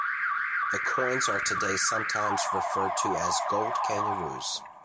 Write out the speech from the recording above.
The coins are today sometimes referred to as "gold kangaroos".